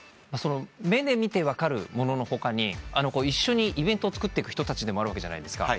目で見て分かるものの他に一緒にイベントをつくってく人たちでもあるわけじゃないですか。